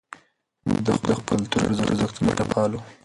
موږ د خپل کلتور ارزښتونه په ګډه پالو.